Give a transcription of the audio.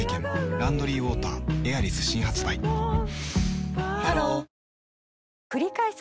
「ランドリーウォーターエアリス」新発売ハローくりかえす